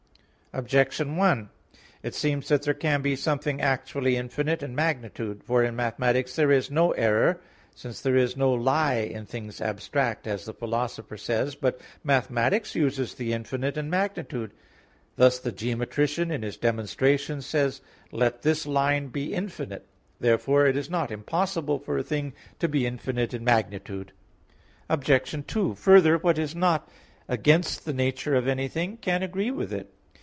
Objection 1: It seems that there can be something actually infinite in magnitude. For in mathematics there is no error, since "there is no lie in things abstract," as the Philosopher says (Phys. ii). But mathematics uses the infinite in magnitude; thus, the geometrician in his demonstrations says, "Let this line be infinite." Therefore it is not impossible for a thing to be infinite in magnitude. Obj. 2: Further, what is not against the nature of anything, can agree with it.